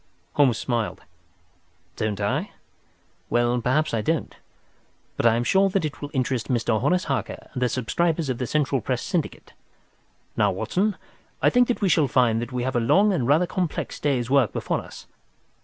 Holmes smiled. "Don't I? Well, perhaps I don't. But I am sure that it will interest Mr. Horace Harker and the subscribers of the Central Press Syndicate. Now, Watson, I think that we shall find that we have a long and rather complex day's work before us.